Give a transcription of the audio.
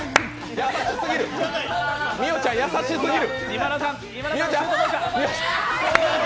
美桜ちゃん、優しすぎる。